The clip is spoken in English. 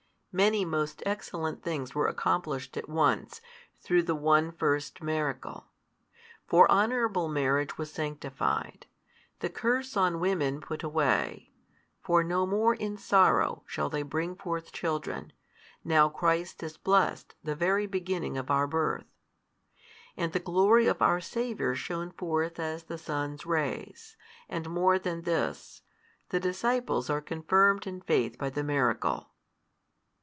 Many most excellent things were accomplished at once through the one first miracle. For honourable marriage was sanctified, the curse on women put away (for no more in sorrow shall they bring forth children, now Christ has blessed the very beginning of our birth), and the glory of our Saviour shone forth as the sun's rays, and more than this, the disciples are confirmed in faith by the miracle.